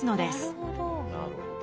なるほど。